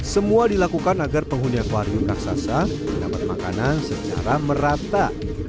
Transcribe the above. semua dilakukan agar penghuni akwarium raksasa mendapat makanan secara merata